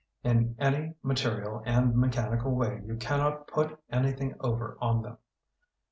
In any ma terial and mechanical way you cannot *put anything over on them'.